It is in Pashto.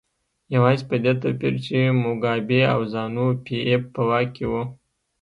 یوازې په دې توپیر چې موګابي او زانو پي ایف په واک کې وو.